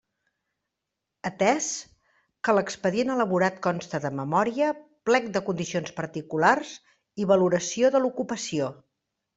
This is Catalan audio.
Atès que l'expedient elaborat consta de Memòria, Plec de Condicions Particulars i Valoració de l'ocupació.